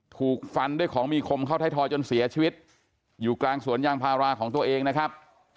ถูกฟันด้วยของมีคมเข้าไทยทอยจนเสียชีวิตอยู่กลางสวนยางพาราของตัวเองนะครับ